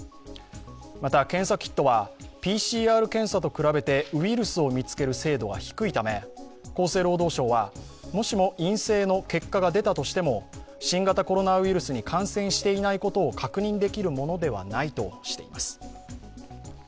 また、検査キットはＰＣＲ検査と比べてウイルスを見つける精度が低いため厚生労働省はもしも陰性の結果が出たとしても新型コロナウイルスに感染していないことを確認できるものではないとしています。